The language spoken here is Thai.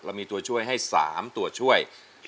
เรามีตัวช่วยให้สามตัวช่วย